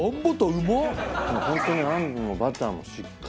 本当にあんもバターもしっかり。